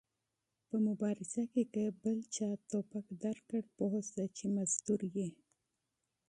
په مبارزه کې چې بل چا ټوپک درکړ پوه سه چې مزدور ېې